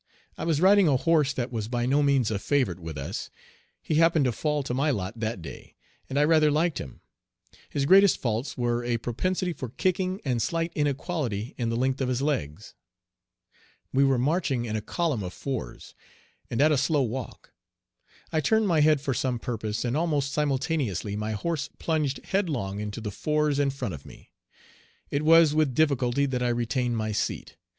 I was riding a horse that was by no means a favorite with us. He happened to fall to my lot that day, and I rather liked him. His greatest faults were a propensity for kicking and slight inequality in the length of his legs. We were marching in a column of fours, and at a slow walk. I turned my head for some purpose, and almost simultaneously my horse plunged headlong into the fours in front of me. It was with difficulty that I retained my seat.